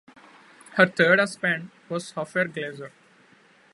Her third husband was Ofer Glazer.